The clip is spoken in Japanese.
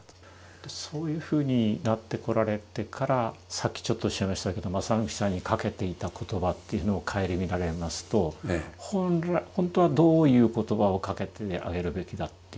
そういうふうになってこられてからさっきちょっとおっしゃいましたけど真史さんにかけていた言葉っていうのをかえりみられますと本当はどういう言葉をかけてあげるべきだっていうふうにお考えになる。